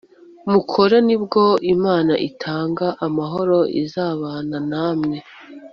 mukora Ni bwo Imana itanga amahoro izabana nawe